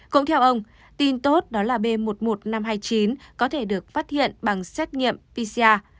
cũng theo ông tin tốt đó là b một mươi một nghìn năm trăm hai mươi chín có thể được phát hiện bằng xét nghiệm pcr